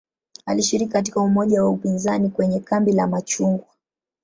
Alishiriki katika umoja wa upinzani kwenye "kambi la machungwa".